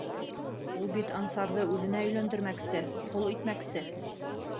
Ул бит Ансарҙы үҙенә өйләндермәксе, ҡол итмәксе!